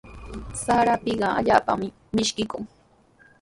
Sara apiqa allaapami mishkiykun.